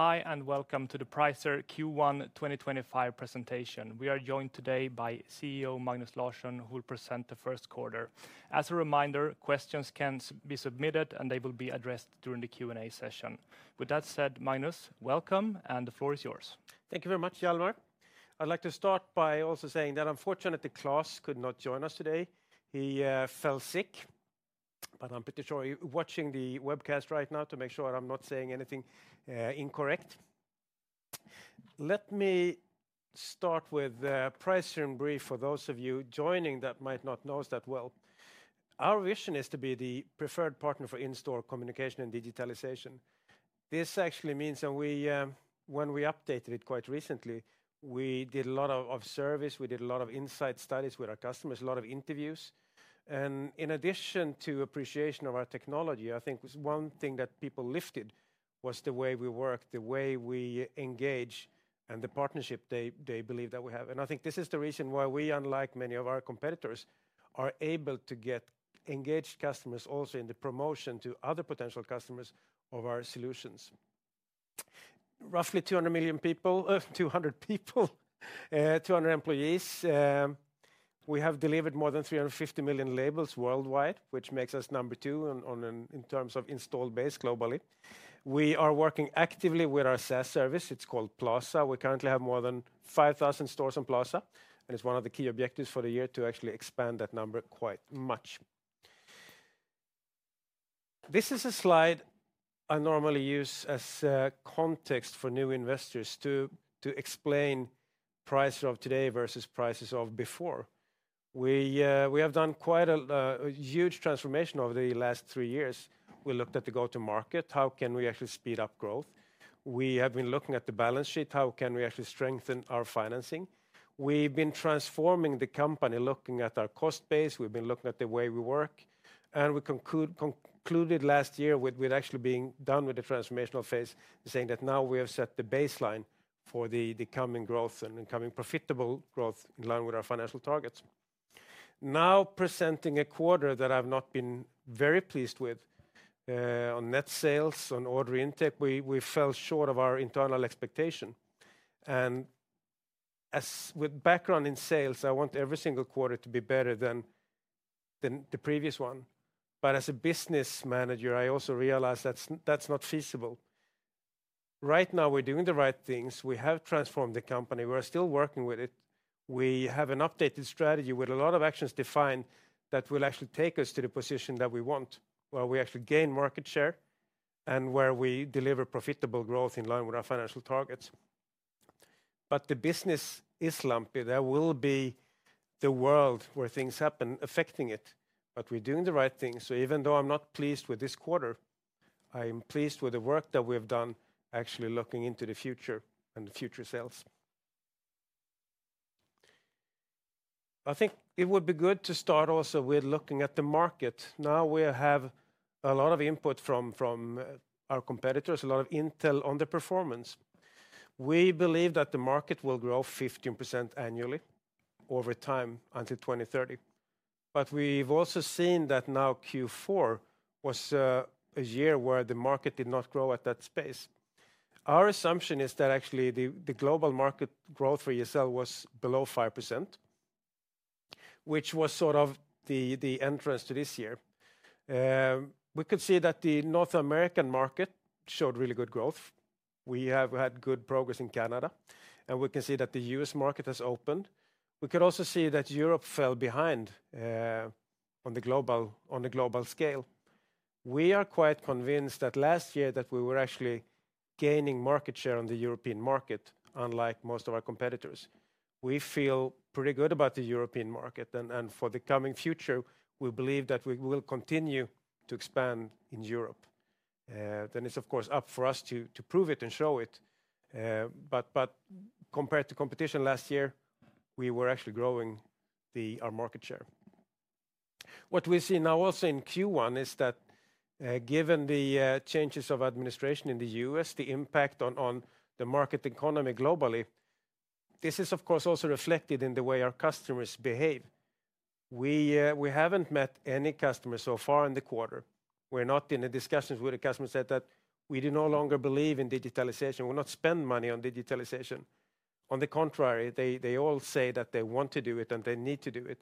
Hi, and welcome to the Pricer Q1 2025 presentation. We are joined today by CEO Magnus Larsson, who will present the first quarter. As a reminder, questions can be submitted, and they will be addressed during the Q&A session. With that said, Magnus, welcome, and the floor is yours. Thank you very much, Hjalmar. I'd like to start by also saying that unfortunately, Claes could not join us today. He fell sick, but I'm pretty sure you're watching the webcast right now to make sure I'm not saying anything incorrect. Let me start with a Pricer brief for those of you joining that might not know that well. Our vision is to be the preferred partner for in-store communication and digitalization. This actually means, and when we updated it quite recently, we did a lot of service. We did a lot of insight studies with our customers, a lot of interviews. In addition to appreciation of our technology, I think one thing that people lifted was the way we work, the way we engage, and the partnership they believe that we have. I think this is the reason why we, unlike many of our competitors, are able to get engaged customers also in the promotion to other potential customers of our solutions. Roughly 200 people, 200 employees. We have delivered more than 350 million labels worldwide, which makes us number two in terms of install base globally. We are working actively with our SaaS service. It's called Plaza. We currently have more than 5,000 stores on Plaza, and it's one of the key objectives for the year to actually expand that number quite much. This is a slide I normally use as context for new investors to explain Pricer of today versus Pricer of before. We have done quite a huge transformation over the last three years. We looked at the go-to-market. How can we actually speed up growth? We have been looking at the balance sheet. How can we actually strengthen our financing? We've been transforming the company, looking at our cost base. We've been looking at the way we work. We concluded last year with actually being done with the transformational phase, saying that now we have set the baseline for the coming growth and coming profitable growth in line with our financial targets. Now presenting a quarter that I've not been very pleased with on net sales, on order intake, we fell short of our internal expectation. With background in sales, I want every single quarter to be better than the previous one. As a business manager, I also realize that's not feasible. Right now, we're doing the right things. We have transformed the company. We're still working with it. We have an updated strategy with a lot of actions defined that will actually take us to the position that we want, where we actually gain market share and where we deliver profitable growth in line with our financial targets. The business is slumpy. There will be the world where things happen affecting it, but we're doing the right thing. Even though I'm not pleased with this quarter, I am pleased with the work that we have done, actually looking into the future and future sales. I think it would be good to start also with looking at the market. Now we have a lot of input from our competitors, a lot of intel on the performance. We believe that the market will grow 15% annually over time until 2030. We have also seen that now Q4 was a year where the market did not grow at that pace. Our assumption is that actually the global market growth for ESL was below 5%, which was sort of the entrance to this year. We could see that the North American market showed really good growth. We have had good progress in Canada, and we can see that the U.S. market has opened. We could also see that Europe fell behind on the global scale. We are quite convinced that last year we were actually gaining market share on the European market, unlike most of our competitors. We feel pretty good about the European market, and for the coming future, we believe that we will continue to expand in Europe. It is, of course, up for us to prove it and show it. Compared to competition last year, we were actually growing our market share. What we see now also in Q1 is that given the changes of administration in the U.S., the impact on the market economy globally, this is, of course, also reflected in the way our customers behave. We have not met any customers so far in the quarter. We are not in the discussions with the customers that we no longer believe in digitalization. We will not spend money on digitalization. On the contrary, they all say that they want to do it and they need to do it.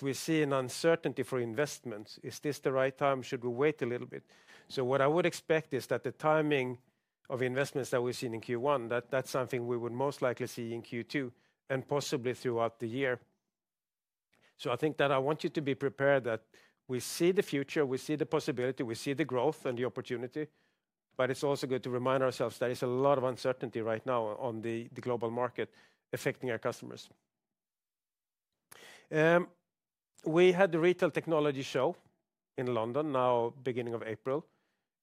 We see an uncertainty for investments. Is this the right time? Should we wait a little bit? What I would expect is that the timing of investments that we have seen in Q1, that is something we would most likely see in Q2 and possibly throughout the year. I think that I want you to be prepared that we see the future, we see the possibility, we see the growth and the opportunity. It's also good to remind ourselves that there's a lot of uncertainty right now on the global market affecting our customers. We had the Retail Technology Show in London now, beginning of April.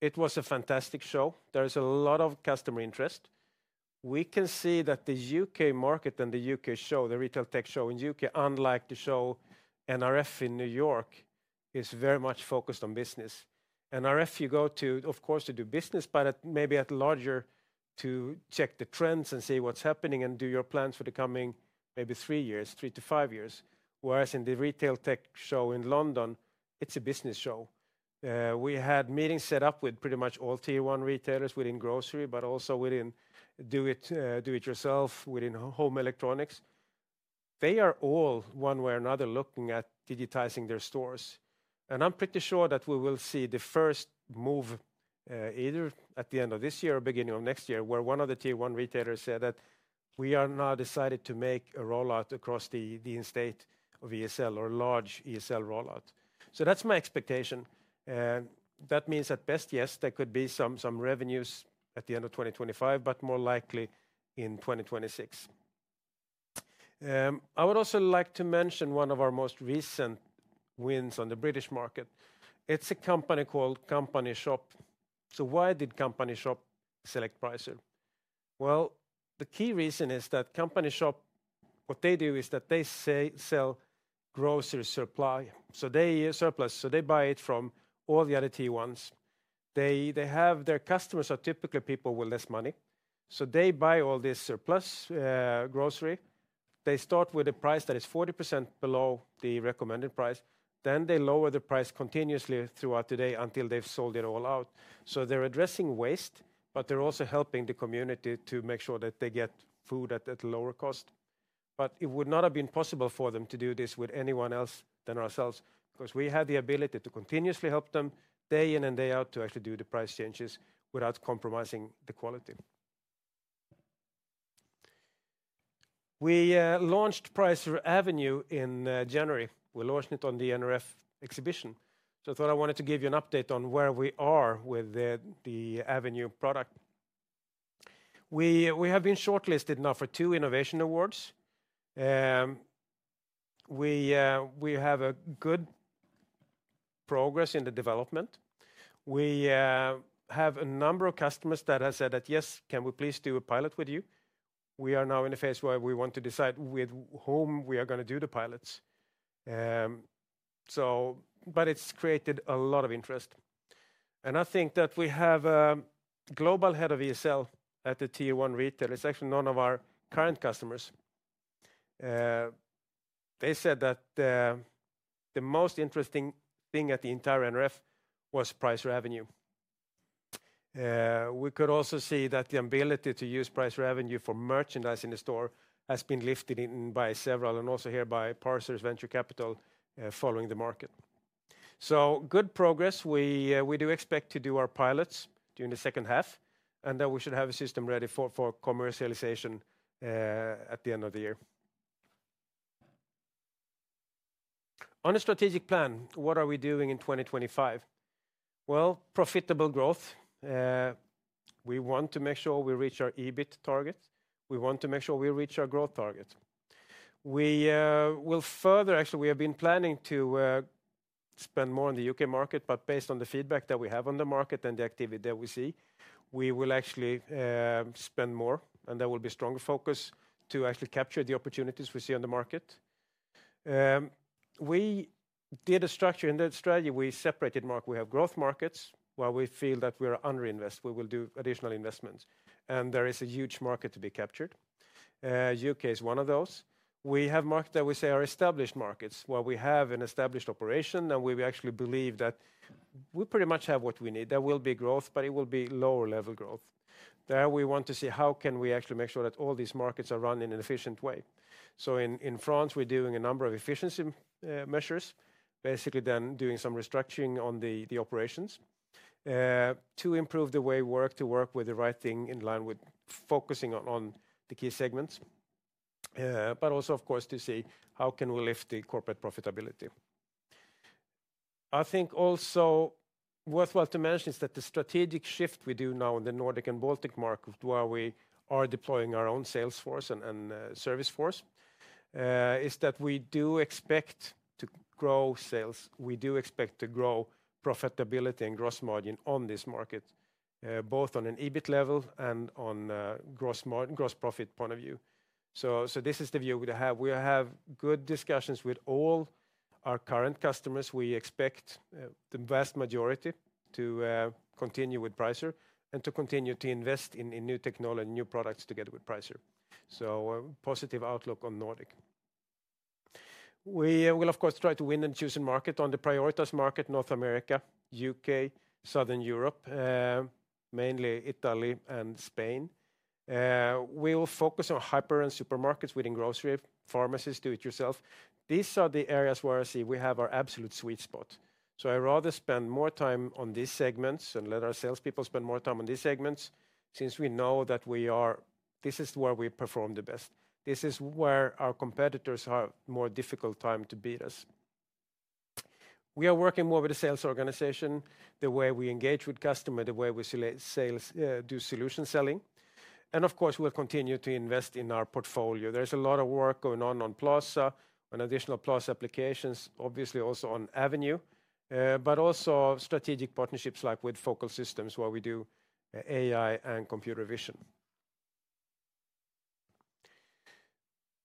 It was a fantastic show. There is a lot of customer interest. We can see that the U.K. market and the U.K. show, the retail tech show in the U.K., unlike the show NRF in New York, is very much focused on business. NRF, you go to, of course, to do business, but maybe at larger to check the trends and see what's happening and do your plans for the coming maybe three years, three to five years. Whereas in the retail tech show in London, it's a business show. We had meetings set up with pretty much all tier one retailers within grocery, but also within do it yourself, within home electronics. They are all one way or another looking at digitizing their stores. I'm pretty sure that we will see the first move either at the end of this year or beginning of next year, where one of the tier one retailers said that we are now decided to make a rollout across the estate of ESL or large ESL rollout. That's my expectation. That means at best, yes, there could be some revenues at the end of 2025, but more likely in 2026. I would also like to mention one of our most recent wins on the British market. It's a company called Company Shop. Why did Company Shop select Pricer? The key reason is that Company Shop, what they do is that they sell grocery supply. They buy it from all the other tier ones. Their customers are typically people with less money. They buy all this surplus grocery. They start with a price that is 40% below the recommended price. They lower the price continuously throughout the day until they have sold it all out. They are addressing waste, but they are also helping the community to make sure that they get food at a lower cost. It would not have been possible for them to do this with anyone else than ourselves because we have the ability to continuously help them day in and day out to actually do the price changes without compromising the quality. We launched Pricer Avenue in January. We launched it on the NRF exhibition. I thought I wanted to give you an update on where we are with the Avenue product. We have been shortlisted now for two innovation awards. We have good progress in the development. We have a number of customers that have said that, yes, can we please do a pilot with you? We are now in a phase where we want to decide with whom we are going to do the pilots. It has created a lot of interest. I think that we have a global head of ESL at the tier one retailer. It is actually none of our current customers. They said that the most interesting thing at the entire NRF was Pricer Avenue. We could also see that the ability to use Pricer Avenue for merchandising the store has been lifted by several and also here by Pricer's venture capital following the market. Good progress. We do expect to do our pilots during the second half, and then we should have a system ready for commercialization at the end of the year. On a strategic plan, what are we doing in 2025? Profitable growth. We want to make sure we reach our EBIT target. We want to make sure we reach our growth target. We will further actually, we have been planning to spend more on the U.K. market, but based on the feedback that we have on the market and the activity that we see, we will actually spend more, and there will be stronger focus to actually capture the opportunities we see on the market. We did a structure in that strategy. We separated market. We have growth markets where we feel that we are underinvested. We will do additional investments. There is a huge market to be captured. U.K. is one of those. We have markets that we say are established markets where we have an established operation, and we actually believe that we pretty much have what we need. There will be growth, but it will be lower level growth. There we want to see how can we actually make sure that all these markets are run in an efficient way. In France, we're doing a number of efficiency measures, basically then doing some restructuring on the operations to improve the way we work, to work with the right thing in line with focusing on the key segments, but also, of course, to see how can we lift the corporate profitability. I think also worthwhile to mention is that the strategic shift we do now in the Nordic and Baltic market where we are deploying our own sales force and service force is that we do expect to grow sales. We do expect to grow profitability and gross margin on this market, both on an EBIT level and on a gross profit point of view. This is the view we have. We have good discussions with all our current customers. We expect the vast majority to continue with Pricer and to continue to invest in new technology, new products together with Pricer. Positive outlook on Nordic. We will, of course, try to win and choose in market on the prioritized market, North America, U.K., Southern Europe, mainly Italy and Spain. We will focus on hyper and supermarkets within grocery, pharmacies, do it yourself. These are the areas where I see we have our absolute sweet spot. I rather spend more time on these segments and let our salespeople spend more time on these segments since we know that this is where we perform the best. This is where our competitors have a more difficult time to beat us. We are working more with the sales organization, the way we engage with customers, the way we do solution selling. Of course, we'll continue to invest in our portfolio. There's a lot of work going on on Plaza and additional Plaza applications, obviously also on Avenue, but also strategic partnerships like with Focal Systems where we do AI and computer vision.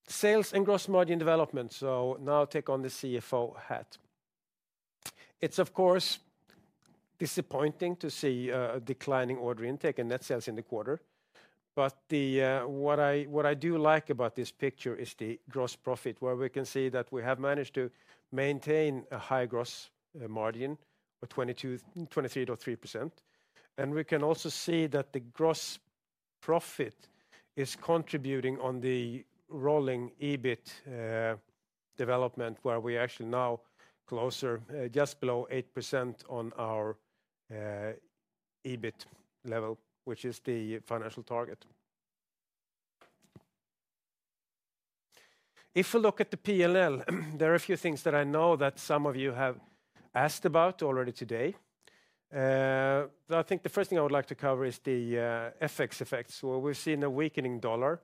Sales and gross margin development. Now take on the CFO hat. It's, of course, disappointing to see a declining order intake and net sales in the quarter. What I do like about this picture is the gross profit where we can see that we have managed to maintain a high gross margin of 23.3%. We can also see that the gross profit is contributing on the rolling EBIT development where we actually now closer just below 8% on our EBIT level, which is the financial target. If we look at the P&L, there are a few things that I know that some of you have asked about already today. I think the first thing I would like to cover is the FX effects. We have seen a weakening dollar.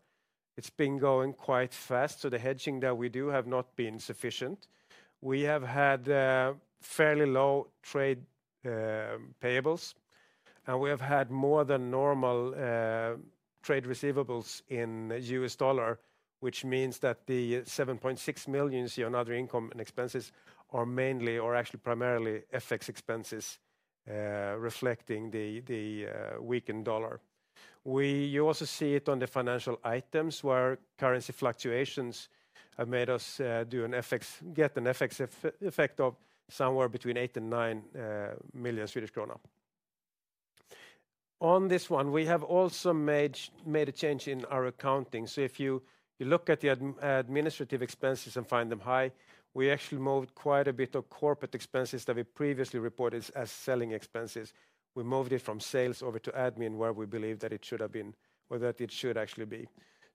It has been going quite fast. The hedging that we do have not been sufficient. We have had fairly low trade payables, and we have had more than normal trade receivables in US dollar, which means that the 7.6 million on other income and expenses are mainly or actually primarily FX expenses reflecting the weakened dollar. You also see it on the financial items where currency fluctuations have made us get an FX effect of somewhere between 8 million-9 million Swedish krona. On this one, we have also made a change in our accounting. If you look at the administrative expenses and find them high, we actually moved quite a bit of corporate expenses that we previously reported as selling expenses. We moved it from sales over to admin where we believe that it should have been or that it should actually be.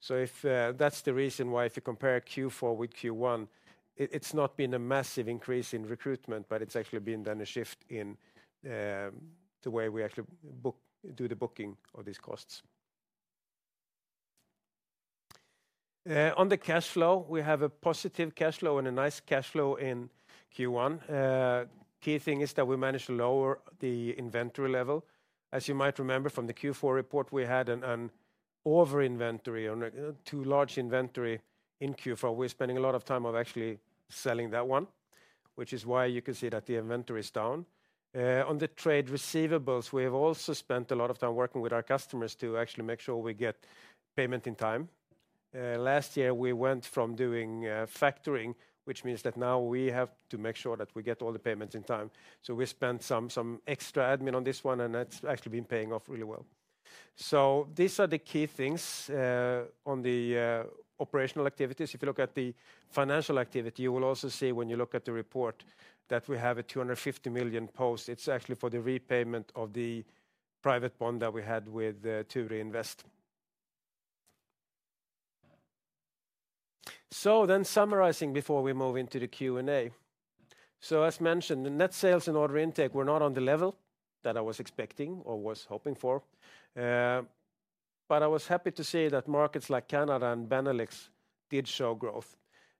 That is the reason why if you compare Q4 with Q1, it has not been a massive increase in recruitment, but it has actually been a shift in the way we actually do the booking of these costs. On the cash flow, we have a positive cash flow and a nice cash flow in Q1. Key thing is that we managed to lower the inventory level. As you might remember from the Q4 report, we had an over-inventory or too large inventory in Q4. We are spending a lot of time actually selling that one, which is why you can see that the inventory is down. On the trade receivables, we have also spent a lot of time working with our customers to actually make sure we get payment in time. Last year, we went from doing factoring, which means that now we have to make sure that we get all the payments in time. We spent some extra admin on this one, and it has actually been paying off really well. These are the key things on the operational activities. If you look at the financial activity, you will also see when you look at the report that we have a 250 million post. It is actually for the repayment of the private bond that we had with Turi Invest. Summarizing before we move into the Q&A, as mentioned, the net sales and order intake were not on the level that I was expecting or was hoping for. I was happy to see that markets like Canada and Benelux did show growth.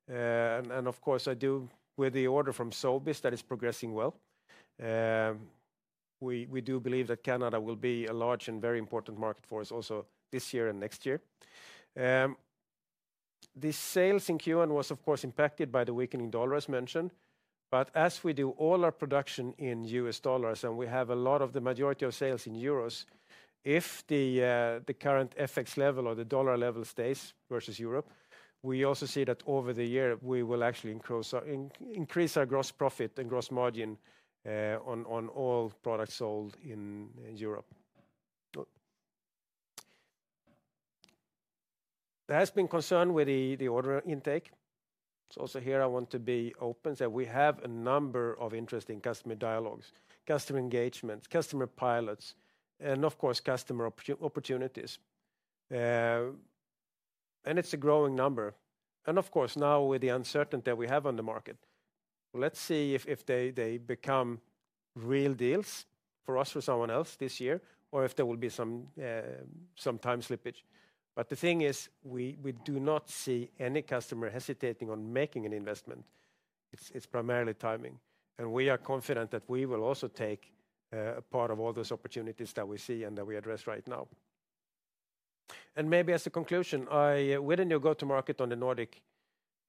Of course, I do with the order from Sobeys that is progressing well. We do believe that Canada will be a large and very important market for us also this year and next year. The sales in Q1 was, of course, impacted by the weakening dollar as mentioned. As we do all our production in US dollars and we have a lot of the majority of sales in euros, if the current FX level or the dollar level stays versus Europe, we also see that over the year we will actually increase our gross profit and gross margin on all products sold in Europe. There has been concern with the order intake. I want to be open that we have a number of interesting customer dialogues, customer engagements, customer pilots, and, of course, customer opportunities. It is a growing number. Of course, now with the uncertainty that we have on the market, let's see if they become real deals for us or someone else this year or if there will be some time slippage. The thing is we do not see any customer hesitating on making an investment. It's primarily timing. We are confident that we will also take a part of all those opportunities that we see and that we address right now. Maybe as a conclusion, within your go-to-market on the Nordic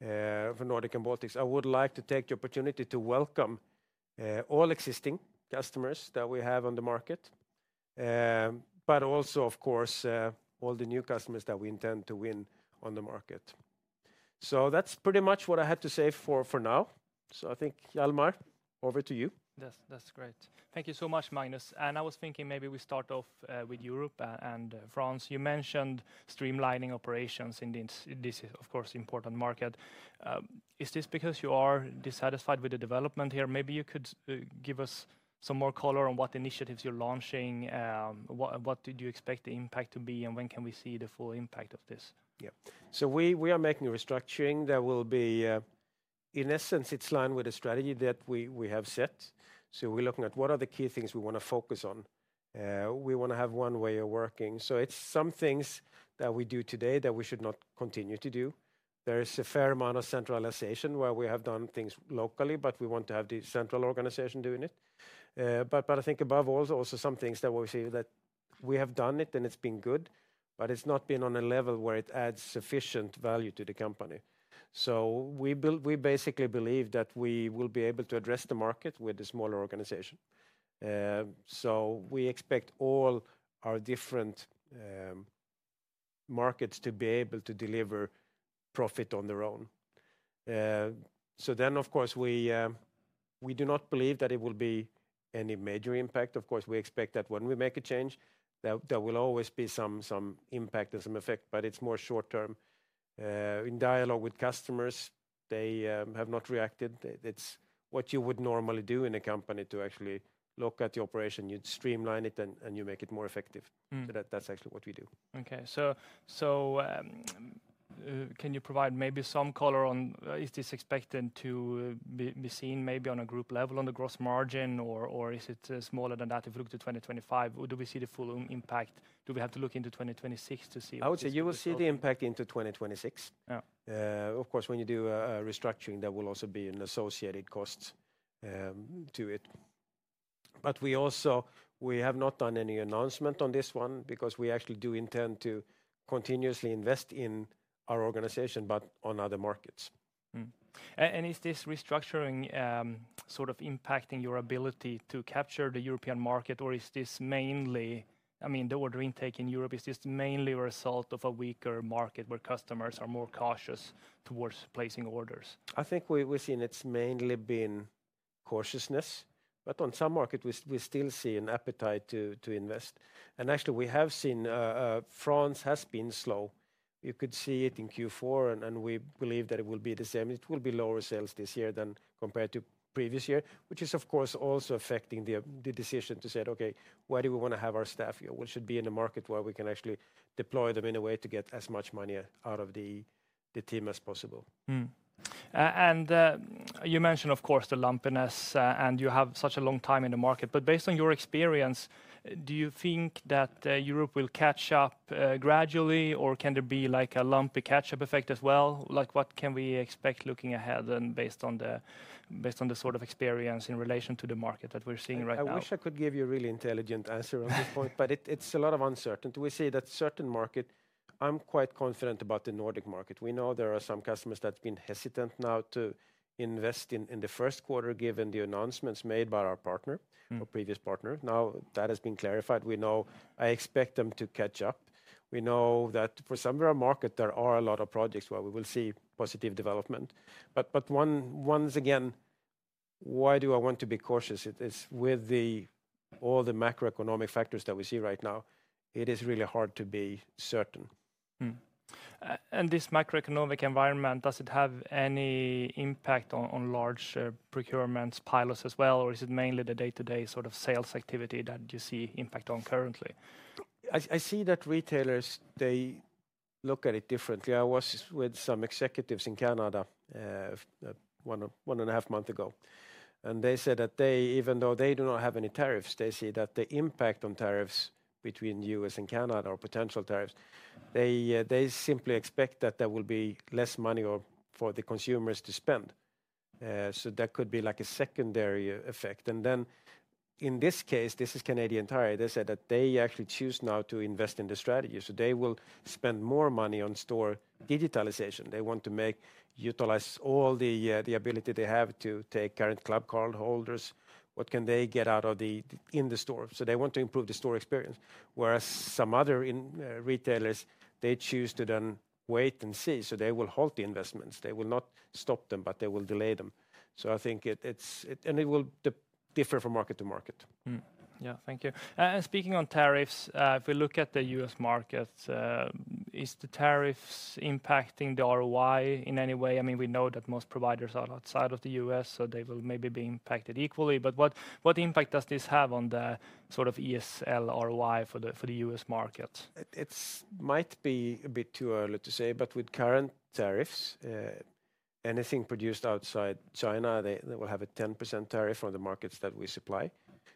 and Baltic, I would like to take the opportunity to welcome all existing customers that we have on the market, but also, of course, all the new customers that we intend to win on the market. That's pretty much what I had to say for now. I think, Hjalmar, over to you. Yes, that's great. Thank you so much, Magnus. I was thinking maybe we start off with Europe and France. You mentioned streamlining operations in this, of course, important market. Is this because you are dissatisfied with the development here? Maybe you could give us some more color on what initiatives you're launching. What did you expect the impact to be and when can we see the full impact of this? Yeah. We are making a restructuring that will be, in essence, it's lined with a strategy that we have set. We are looking at what are the key things we want to focus on. We want to have one way of working. It's some things that we do today that we should not continue to do. There is a fair amount of centralization where we have done things locally, but we want to have the central organization doing it. I think above all, also some things that we see that we have done it and it's been good, but it's not been on a level where it adds sufficient value to the company. We basically believe that we will be able to address the market with a smaller organization. We expect all our different markets to be able to deliver profit on their own. Of course, we do not believe that it will be any major impact. Of course, we expect that when we make a change, there will always be some impact and some effect, but it's more short term. In dialogue with customers, they have not reacted. It's what you would normally do in a company to actually look at the operation. You'd streamline it and you make it more effective. That's actually what we do. Okay. Can you provide maybe some color on is this expected to be seen maybe on a group level on the gross margin or is it smaller than that if we look to 2025? Do we see the full impact? Do we have to look into 2026 to see? I would say you will see the impact into 2026. Of course, when you do a restructuring, there will also be an associated cost to it. We also have not done any announcement on this one because we actually do intend to continuously invest in our organization, but on other markets. Is this restructuring sort of impacting your ability to capture the European market or is this mainly, I mean, the order intake in Europe is just mainly a result of a weaker market where customers are more cautious towards placing orders? I think we've seen it's mainly been cautiousness, but on some markets, we still see an appetite to invest. Actually, we have seen France has been slow. You could see it in Q4, and we believe that it will be the same. It will be lower sales this year than compared to previous year, which is, of course, also affecting the decision to say, okay, why do we want to have our staff here? We should be in a market where we can actually deploy them in a way to get as much money out of the team as possible. You mentioned, of course, the lumpiness and you have such a long time in the market. Based on your experience, do you think that Europe will catch up gradually or can there be like a lumpy catch-up effect as well? Like what can we expect looking ahead and based on the sort of experience in relation to the market that we're seeing right now? I wish I could give you a really intelligent answer on this point, but it's a lot of uncertainty. We see that certain market, I'm quite confident about the Nordic market. We know there are some customers that have been hesitant now to invest in the first quarter given the announcements made by our partner, our previous partner. Now that has been clarified. We know I expect them to catch up. We know that for some of our market, there are a lot of projects where we will see positive development. Once again, why do I want to be cautious? It is with all the macroeconomic factors that we see right now, it is really hard to be certain. This macroeconomic environment, does it have any impact on large procurement pilots as well, or is it mainly the day-to-day sort of sales activity that you see impact on currently? I see that retailers, they look at it differently. I was with some executives in Canada one and a half months ago, and they said that even though they do not have any tariffs, they see that the impact on tariffs between the U.S. and Canada or potential tariffs, they simply expect that there will be less money for the consumers to spend. That could be like a secondary effect. In this case, this is Canadian Tire. They said that they actually choose now to invest in the strategy. They will spend more money on store digitalization. They want to utilize all the ability they have to take current club card holders. What can they get out of the in the store? They want to improve the store experience. Whereas some other retailers, they choose to then wait and see. They will hold the investments. They will not stop them, but they will delay them. I think it will differ from market to market. Yeah, thank you. Speaking on tariffs, if we look at the U.S. markets, is the tariffs impacting the ROI in any way? I mean, we know that most providers are outside of the U.S., so they will maybe be impacted equally. What impact does this have on the sort of ESL ROI for the U.S. markets? It might be a bit too early to say, but with current tariffs, anything produced outside China, they will have a 10% tariff on the markets that we supply,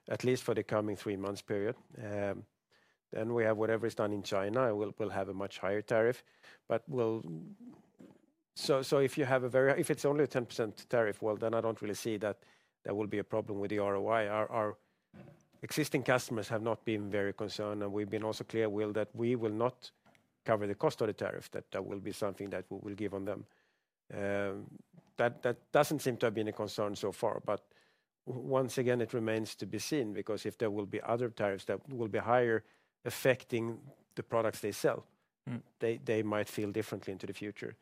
at least for the coming three months period. If you have whatever is done in China, you will have a much higher tariff. If it is only a 10% tariff, I do not really see that there will be a problem with the ROI. Our existing customers have not been very concerned, and we have also been clear that we will not cover the cost of the tariff, that that will be something that we will give on them. That does not seem to have been a concern so far. Once again, it remains to be seen because if there will be other tariffs that will be higher affecting the products they sell, they might feel differently into the future.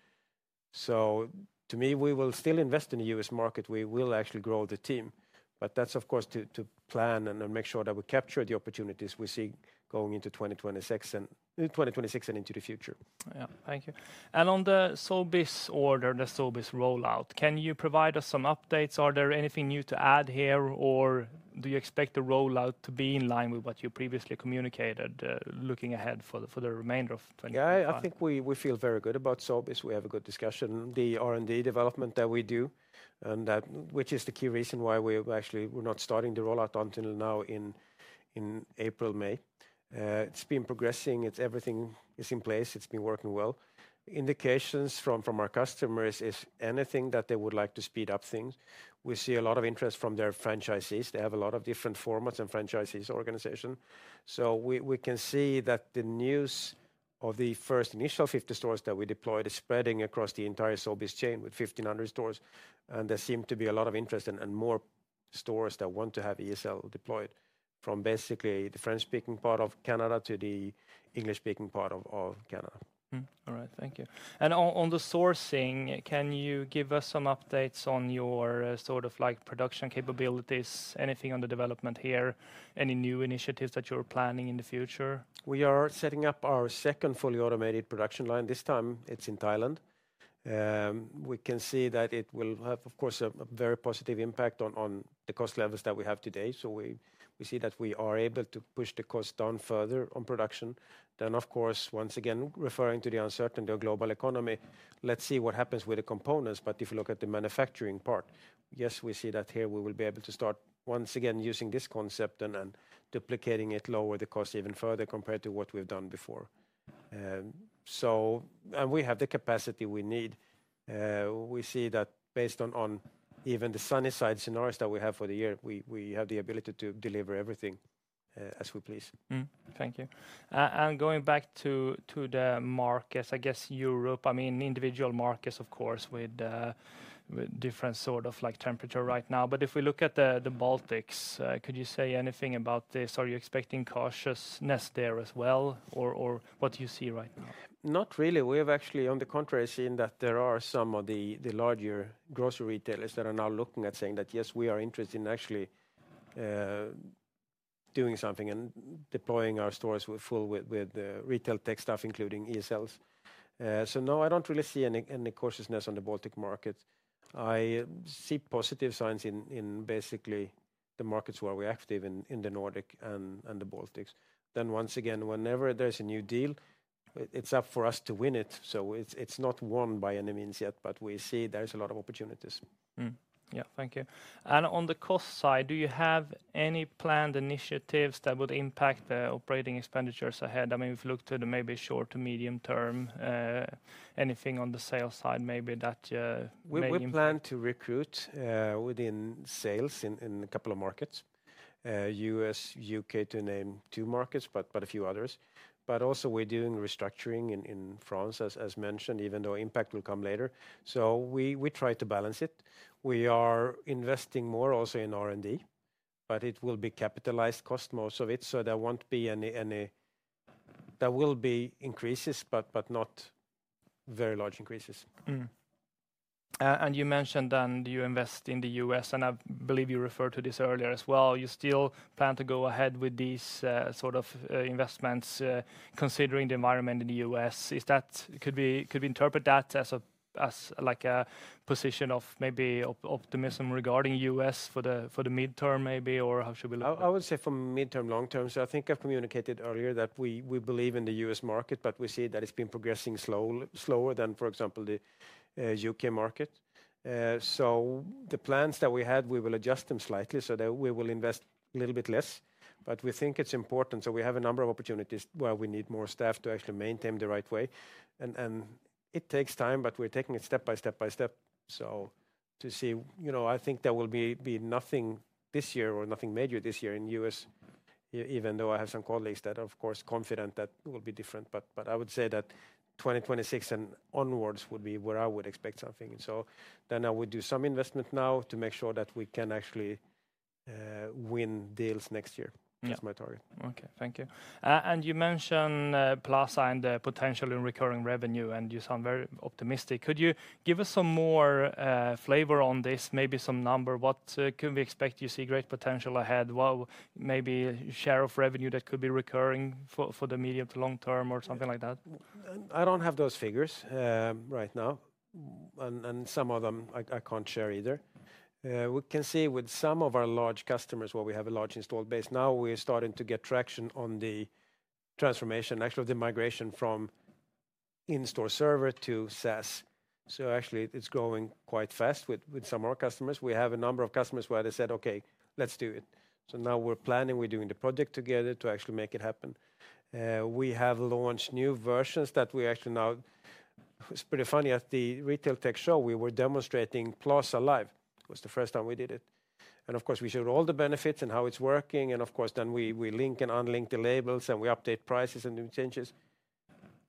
To me, we will still invest in the U.S. market. We will actually grow the team. That is of course to plan and make sure that we capture the opportunities we see going into 2026 and into the future. Yeah, thank you. On the Sobeys order, the Sobeys rollout, can you provide us some updates? Is there anything new to add here, or do you expect the rollout to be in line with what you previously communicated looking ahead for the remainder of 2026? Yeah, I think we feel very good about Sobeys. We have a good discussion. The R&D development that we do, which is the key reason why we actually were not starting the rollout until now in April, May, has been progressing. Everything is in place. It has been working well. Indications from our customers are that they would like to speed up things. We see a lot of interest from their franchisees. They have a lot of different formats and franchisees organization. We can see that the news of the first initial 50 stores that we deployed is spreading across the entire Sobeys chain with 1,500 stores. There seems to be a lot of interest and more stores that want to have ESL deployed from basically the French-speaking part of Canada to the English-speaking part of Canada. All right, thank you. On the sourcing, can you give us some updates on your sort of like production capabilities? Anything on the development here? Any new initiatives that you're planning in the future? We are setting up our second fully automated production line. This time it's in Thailand. We can see that it will have, of course, a very positive impact on the cost levels that we have today. We see that we are able to push the cost down further on production. Of course, once again, referring to the uncertainty of the global economy, let's see what happens with the components. If you look at the manufacturing part, yes, we see that here we will be able to start once again using this concept and duplicating it, lower the cost even further compared to what we've done before. We have the capacity we need. We see that based on even the sunny side scenarios that we have for the year, we have the ability to deliver everything as we please. Thank you. Going back to the markets, I guess Europe, I mean individual markets, of course, with different sort of like temperature right now. If we look at the Baltic, could you say anything about this? Are you expecting cautiousness there as well or what do you see right now? Not really. We have actually, on the contrary, seen that there are some of the larger grocery retailers that are now looking at saying that yes, we are interested in actually doing something and deploying our stores full with retail tech stuff, including ESLs. No, I do not really see any cautiousness on the Baltic market. I see positive signs in basically the markets where we are active in the Nordic and the Baltics. Once again, whenever there is a new deal, it is up for us to win it. It is not won by any means yet, but we see there is a lot of opportunities. Yeah, thank you. On the cost side, do you have any planned initiatives that would impact the operating expenditures ahead? I mean, we've looked at maybe short to medium term, anything on the sales side maybe that you maybe. Plan to recruit within sales in a couple of markets, U.S., U.K. to name two markets, but a few others. Also, we're doing restructuring in France, as mentioned, even though impact will come later. We try to balance it. We are investing more also in R&D, but it will be capitalized cost, most of it. There will be increases, but not very large increases. You mentioned then you invest in the U.S., and I believe you referred to this earlier as well. You still plan to go ahead with these sort of investments considering the environment in the U.S. Could we interpret that as like a position of maybe optimism regarding the U.S. for the midterm maybe, or how should we look at it? I would say from midterm, long term. I think I've communicated earlier that we believe in the U.S. market, but we see that it's been progressing slower than, for example, the U.K. market. The plans that we had, we will adjust them slightly so that we will invest a little bit less. We think it's important. We have a number of opportunities where we need more staff to actually maintain the right way. It takes time, but we're taking it step by step by step. To see, you know, I think there will be nothing this year or nothing major this year in the U.S., even though I have some colleagues that are, of course, confident that it will be different. I would say that 2026 and onwards would be where I would expect something. I would do some investment now to make sure that we can actually win deals next year. That's my target. Okay, thank you. You mentioned Plaza and the potential in recurring revenue, and you sound very optimistic. Could you give us some more flavor on this, maybe some number? What can we expect? Do you see great potential ahead? Maybe share of revenue that could be recurring for the medium to long term or something like that? I don't have those figures right now. Some of them I can't share either. We can see with some of our large customers where we have a large installed base. Now we're starting to get traction on the transformation, actually the migration from in-store server to SaaS. Actually it's growing quite fast with some of our customers. We have a number of customers where they said, okay, let's do it. Now we're planning, we're doing the project together to actually make it happen. We have launched new versions that we actually now, it's pretty funny, at the Retail Technology Show, we were demonstrating Plaza Live. It was the first time we did it. Of course, we showed all the benefits and how it's working. Of course, then we link and unlink the labels and we update prices and new changes.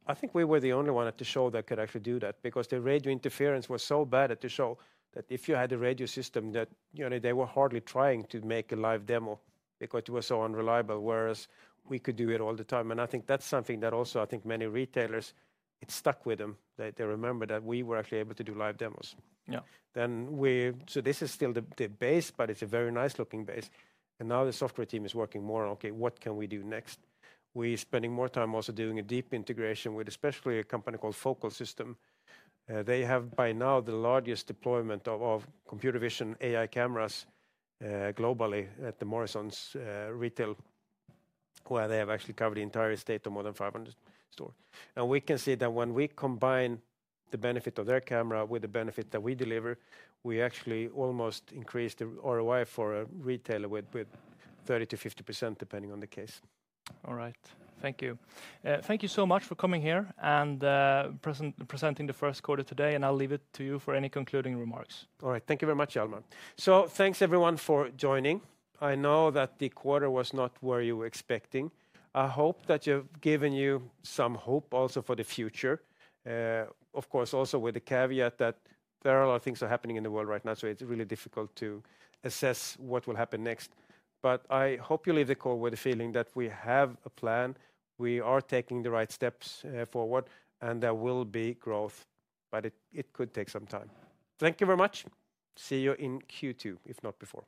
I think we were the only one at the show that could actually do that because the radio interference was so bad at the show that if you had a radio system, they were hardly trying to make a live demo because it was so unreliable, whereas we could do it all the time. I think that's something that also I think many retailers, it stuck with them. They remember that we were actually able to do live demos. Yeah. This is still the base, but it's a very nice looking base. Now the software team is working more, okay, what can we do next? We're spending more time also doing a deep integration with especially a company called Focal Systems. They have by now the largest deployment of computer vision AI cameras globally at the Morrisons retail, where they have actually covered the entire state of more than 500 stores. We can see that when we combine the benefit of their camera with the benefit that we deliver, we actually almost increase the ROI for a retailer with 30-50% depending on the case. All right, thank you. Thank you so much for coming here and presenting the first quarter today, and I'll leave it to you for any concluding remarks. All right, thank you very much, Hjalmar. Thanks everyone for joining. I know that the quarter was not where you were expecting. I hope that you've given you some hope also for the future. Of course, also with the caveat that there are a lot of things that are happening in the world right now, so it's really difficult to assess what will happen next. I hope you leave the call with the feeling that we have a plan, we are taking the right steps forward, and there will be growth, but it could take some time. Thank you very much. See you in Q2, if not before.